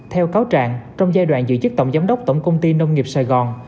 theo cáo trạng trong giai đoạn giữ chức tổng giám đốc tổng công ty nông nghiệp sài gòn